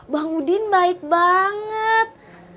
bang udin baik banget